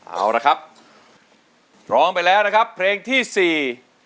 เอาละครับพร้อมไปแล้วนะครับเพลงที่สี่